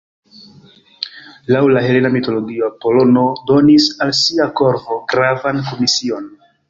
Laŭ la helena mitologio, Apolono donis al sia korvo gravan komision.